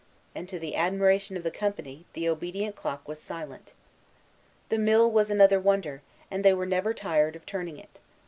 and, to the admiration of the company, the obedient clock was silent. The mill was another wonder, and they were never tired of turning it.